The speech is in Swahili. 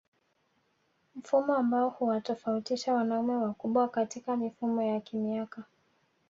Mfumo ambao huwatofautisha wanaume wakubwa katika mifumo ya kimiaka